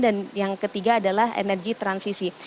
dan yang ketiga adalah energy transisi